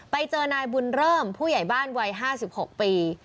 ไปเจอนายบุญเริ่มผู้ใหญ่บ้านวัย๕๖ปี